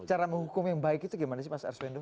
cara menghukum yang baik itu gimana sih mas arswendo